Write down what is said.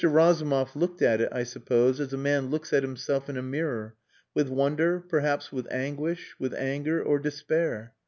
Razumov looked at it, I suppose, as a man looks at himself in a mirror, with wonder, perhaps with anguish, with anger or despair.